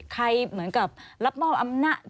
เหมือนกับรับมอบอำนาจ